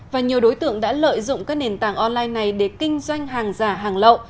và nhiều đối tượng đã lợi dụng các nền tảng online này để kinh doanh hàng giả hàng lậu